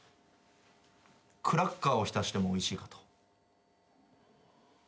クラッカーを浸してもおいしいかと。